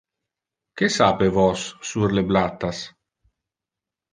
Que sape vos sur le blattas?